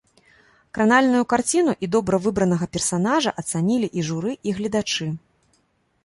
Кранальную карціну і добра выбранага персанажа ацанілі і журы, і гледачы.